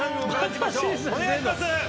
お願いします！